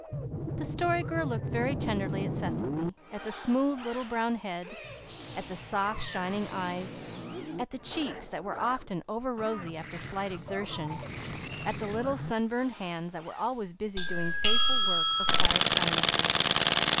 The Story Girl looked very tenderly at Cecily at the smooth little brown head, at the soft, shining eyes, at the cheeks that were often over rosy after slight exertion, at the little sunburned hands that were always busy doing faithful work or quiet kindnesses.